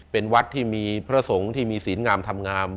เป็นวัดที่มีพระสงฆ์ที่มีศีลงามธรรมงาม